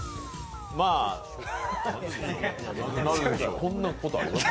まあこんなことあります？